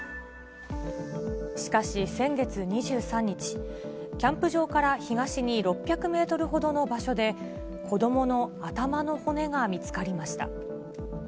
しかし、先月２３日、キャンプ場から東に６００メートルほどの場所で、子どもの頭の骨が見つかりました。